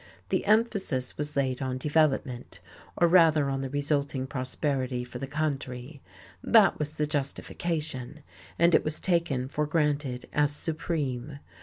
The emphasis was laid on development, or rather on the resulting prosperity for the country: that was the justification, and it was taken for granted as supreme.